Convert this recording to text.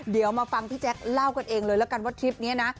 เดี๋ยวมาฟังพี่แจ๊คเล่ากันเองเลยแล้วกันว่าทริปนี้นะ